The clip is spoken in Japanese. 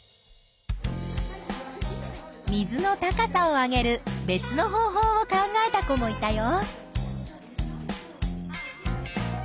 水の高さを上げる別の方法を考えた子もいたよ。